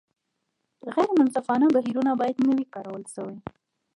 غیر منصفانه بهیرونه باید نه وي کارول شوي.